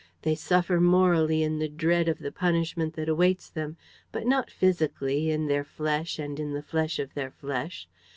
They suffer morally in the dread of the punishment that awaits them, but not physically, in their flesh and in the flesh of their flesh.